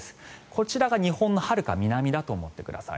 こちらが日本のはるか南だと思ってください。